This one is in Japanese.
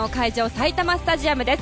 埼玉スタジアムです。